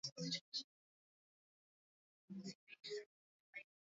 Zikijumuisha Chato Kakonko Bukombe Biharamulo na Ngara